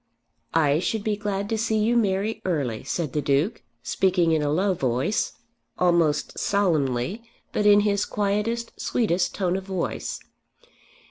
"I should be glad to see you marry early," said the Duke, speaking in a low voice, almost solemnly, but in his quietest, sweetest tone of voice.